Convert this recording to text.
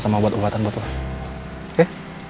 sampai jumpa di video selanjutnya